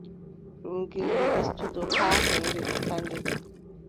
Ɗum gilɗi ɗisotoo haa heŋre, tufa nde.